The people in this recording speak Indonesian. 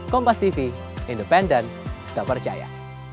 kompastv independen tak percaya